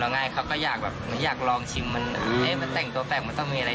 ลบหน้าแล้วจำไม่ได้เลย